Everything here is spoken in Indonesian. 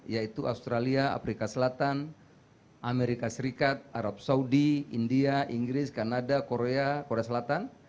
yaitu australia afrika selatan amerika serikat arab saudi india inggris kanada korea korea selatan